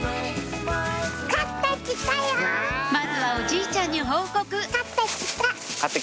まずはおじいちゃんに報告買ってきた。